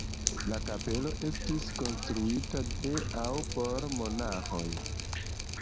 La kapelo estis konstruita de aŭ por monaĥoj.